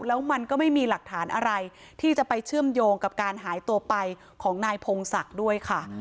แล้วมันก็ไม่มีหลักฐานอะไรที่จะไปเชื่อมโยงกับการหายตัวไปของนายพงศักดิ์ด้วยค่ะ